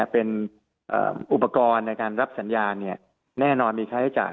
เป็นอุปกรณ์ในการรับสัญญาแน่นอนมีค่าใช้จ่าย